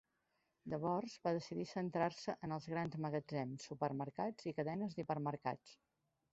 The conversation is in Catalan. Llavors, va decidir centrar-se en els grans magatzems, supermercats i cadenes d'hipermercats.